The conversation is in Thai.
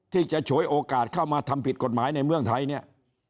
ฉวยโอกาสเข้ามาทำผิดกฎหมายในเมืองไทยเนี่ย